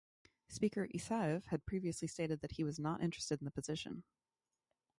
Speaker Isaev had previously stated that he was not interested in the position.